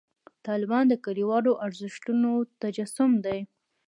طالبان د کلیوالو ارزښتونو تجسم دی.